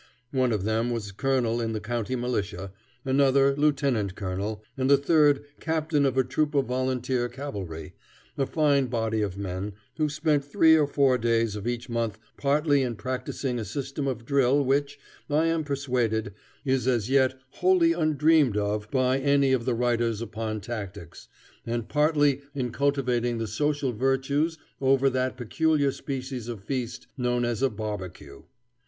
One of them was colonel of the county militia, another lieutenant colonel, and the third captain of a troop of volunteer cavalry, a fine body of men, who spent three or four days of each month partly in practicing a system of drill which, I am persuaded, is as yet wholly undreamed of by any of the writers upon tactics, and partly in cultivating the social virtues over that peculiar species of feast known as a barbecue.